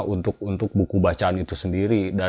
untuk buku bacaan itu sendiri